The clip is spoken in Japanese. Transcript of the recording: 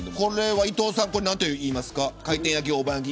伊藤さん、これ何て言いますか。